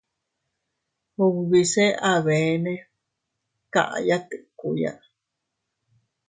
Ubise abeene kaʼaya tikkuya.